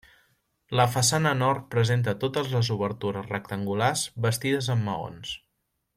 La façana nord presenta totes les obertures rectangulars bastides amb maons.